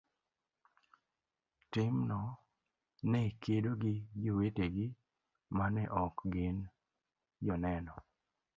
timno ne kedo gi jowetegi ma ne ok gin Joneno.